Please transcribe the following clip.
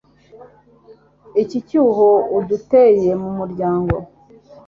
iki cyuho uduteye mu muryango